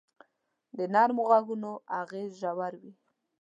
د نرمو ږغونو اغېز ژور وي.